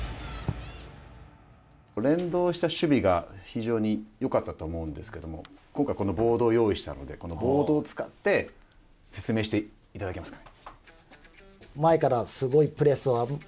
連動した守備が非常によかったと思うんですけども今回、このボードを用意したのでこのボードを使って説明していただけますか。